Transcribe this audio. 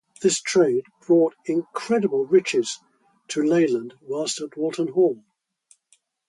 This trade brought incredible riches to Leyland whilst at Walton Hall.